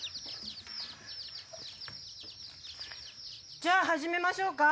じゃあ始めましょうか。